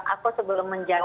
aku sebelum menjawab